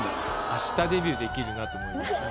明日デビューできるなと思いました。